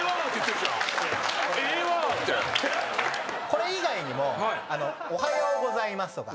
これ以外にも「おはようございます」とか。